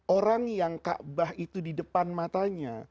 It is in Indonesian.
orang yang kabah itu di depan matanya